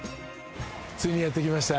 ついにやってきました。